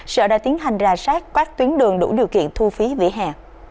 sở đã tiến hành rà sát các tuyến đường đủ điều kiện thu phí vỉa hè